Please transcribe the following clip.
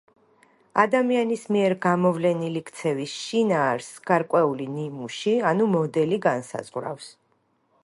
ადამიანის მიერ გამოვლენილი ქცევის შინაარსს გარკვეული ნიმუში, ანუ მოდელი განსაზღვრავს.